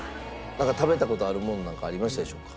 食べた事あるものなんかありましたでしょうか？